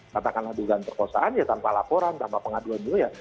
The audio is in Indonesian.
katakanlah dugaan perkosaan ya tanpa laporan tanpa pengaduan dulu ya